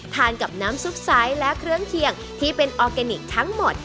ทานกับน้ำซุปไซส์และเครื่องเคียงที่เป็นออร์แกนิคทั้งหมด